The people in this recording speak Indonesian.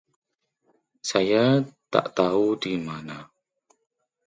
Saya tak tahu di mana.